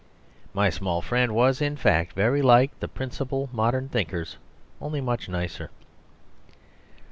My small friend was, in fact, very like the principal modern thinkers; only much nicer.